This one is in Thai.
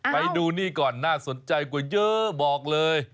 ไปดูนี่ก่อนน่าสนใจกว่าเยอะบอกเลย